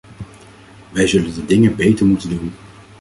Wij zullen de dingen beter moeten doen.